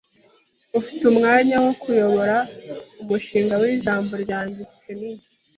Ufite umwanya wo kuyobora umushinga w'ijambo ryanjye, Ken?